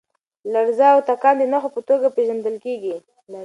لرزه او تکان د نښو په توګه پېژندل کېږي.